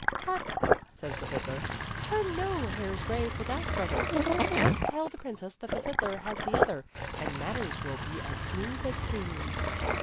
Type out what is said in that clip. " Tut !" says the fiddler, " turn no hairs grey for that, brother. Just tell the princess that the fiddler has the other, and matters will be as smooth as cream."